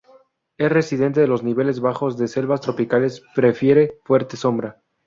Es residente de los niveles bajos de selvas tropicales, prefiere fuerte sombra.